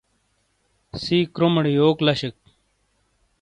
سی کرومے ٹے یوکوک لشیک